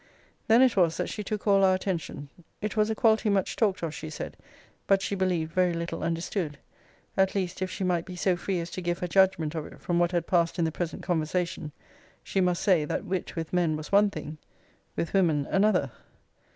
Then it was that she took all our attention. It was a quality much talked of, she said, but, she believed, very little understood. At least, if she might be so free as to give her judgment of it from what had passed in the present conversation, she must say, that wit with men was one thing; with women another.